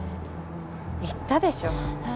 言ったでしょ。